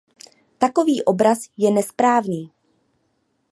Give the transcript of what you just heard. Takový obraz je nesprávný.